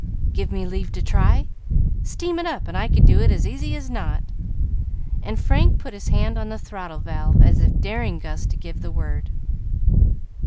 "Give me leave to try? Steam is up, and I could do it as easy as not;" and Frank put his hand on the throttle valve, as if daring Gus to give the word.